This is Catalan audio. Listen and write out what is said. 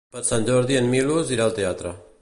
Per Sant Jordi en Milos irà al teatre.